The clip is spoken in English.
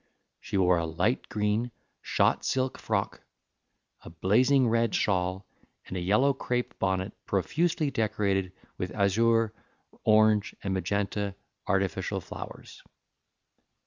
She wore a light green, shot silk frock, a blazing red shawl, and a yellow crape bonnet profusely decorated with azure, orange and magenta artificial flowers.